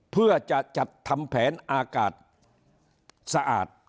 เพื่อจะจัดทำแผนอากาศสะอาด